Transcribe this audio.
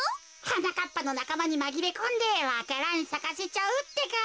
はなかっぱのなかまにまぎれこんでわか蘭さかせちゃうってか。